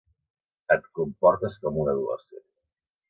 Et comportes com un adolescent.